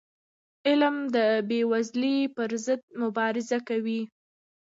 علم د بېوزلی پر ضد مبارزه کوي.